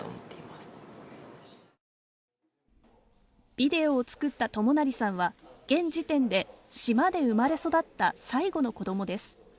ビデオを作った智也さんは現時点で島で生まれ育った最後の子供です